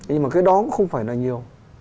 nhưng mà cái đó cũng không phải là nhiều